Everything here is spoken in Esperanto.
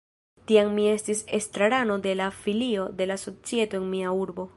Tiam mi estis estrarano de la filio de la societo en mia urbo.